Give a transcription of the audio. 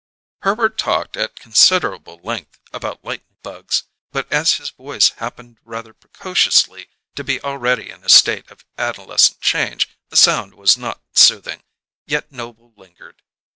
Herbert talked at considerable length about lightning bugs, but as his voice happened rather precociously to be already in a state of adolescent change, the sound was not soothing; yet Noble lingered.